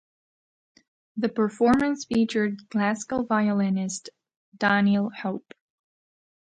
The performance featured classical violinist Daniel Hope.